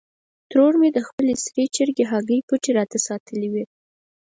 ترور مې د خپلې سرې چرګې هګۍ پټې راته ساتلې وې.